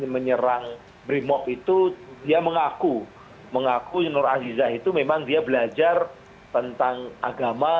menyerang brimop itu dia mengaku nur azizah itu memang dia belajar tentang agama